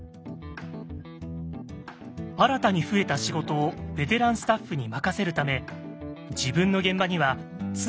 新たに増えた仕事をベテランスタッフに任せるため自分の現場には常に新人がつくことに。